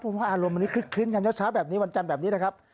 เพราะว่าอารมณ์วันนี้คลึกคื้นกันเช้าแบบนี้วันจันทร์แบบนี้นะครับ